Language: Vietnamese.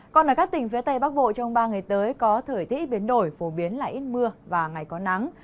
còn ở các tỉnh phía tây bắc bộ trong ba ngày tới có thời tiết biến đổi phổ biến là ít mưa và ngày có nắng